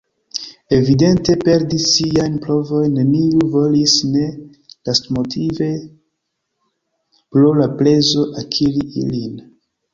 Evidente, perdi siajn povojn neniu volis – ne lastmotive pro la prezo akiri ilin.